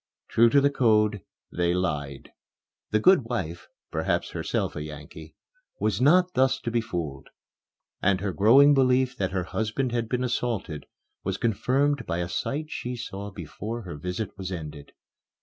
True to the code, they lied. The good wife, perhaps herself a Yankee, was not thus to be fooled; and her growing belief that her husband had been assaulted was confirmed by a sight she saw before her visit was ended.